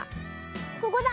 ここだ。